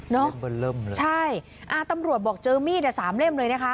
เล่มบันเริ่มเลยใช่ตำรวจบอกเจอมีด๓เล่มเลยนะคะ